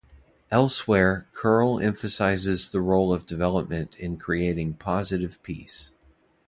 Elsewhere Curle emphasises the role of development in creating positive peace.